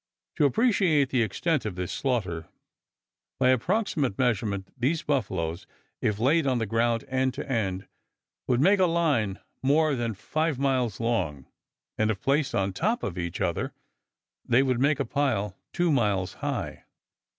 To appreciate the extent of this slaughter, by approximate measurement these buffaloes, if laid on the ground end to end, would make a line more than five miles long; and if placed on top of each other they would make a pile two miles high.